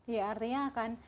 ya artinya akan